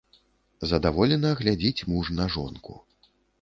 Задаволена глядзіць муж на жонку.